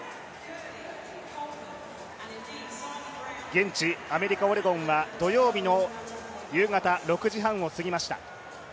現地アメリカ・オレゴンは土曜日の夕方６時半を過ぎました。